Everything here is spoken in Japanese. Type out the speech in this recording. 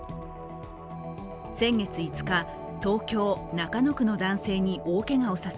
先月５日、東京・中野区の男性に大けがをさせ